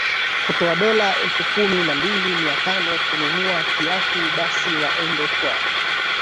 kutoa dola elfu kumi na mbili mia tano kununua kiatu basi waende kwa